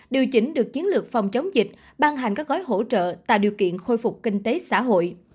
điều chỉnh được chiến lược phòng chống dịch ban hành các gói hỗ trợ tạo điều kiện khôi phục kinh tế xã hội